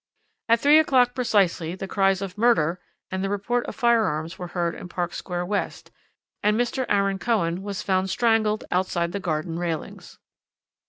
"At three o'clock precisely the cries of 'Murder' and the report of fire arms were heard in Park Square West, and Mr. Aaron Cohen was found strangled outside the garden railings."